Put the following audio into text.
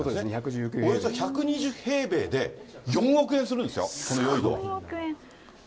およそ１２０平米で４億円するんですよ。